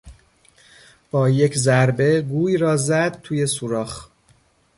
با یک ضربه گوی را زد توی سوراخ.